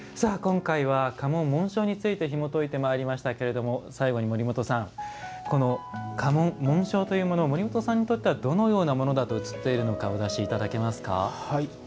今回は、家紋・紋章についてひもといてまいりましたが最後に森本さんこの家紋・紋章というものは森本さんにとってどのようなものに映っているのかお出しいただけますか。